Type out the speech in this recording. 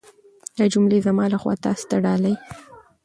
دا جملې زما لخوا تاسو ته ډالۍ.